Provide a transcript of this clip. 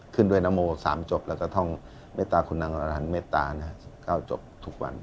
ขึ้นด้วยนโม๓จบแล้วก็ท่องเมตตาคุณนางอรันเมตตา๑๙จบทุกวัน